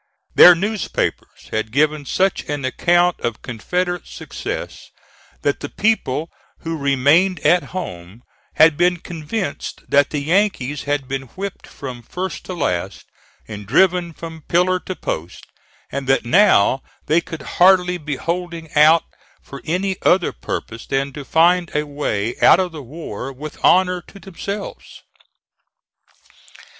Their newspapers had given such an account of Confederate success, that the people who remained at home had been convinced that the Yankees had been whipped from first to last, and driven from pillar to post, and that now they could hardly be holding out for any other purpose than to find a way out of the war with honor to themselves.